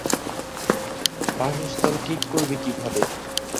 বাসস্থান ঠিক করবি কীভাবে?